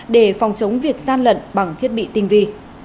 để phòng chống việc gian lận bằng thiết bị tinh vi